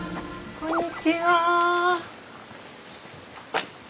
こんにちは。